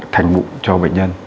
thành mụn cho bệnh nhân